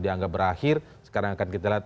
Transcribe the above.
dianggap berakhir sekarang akan kita lihat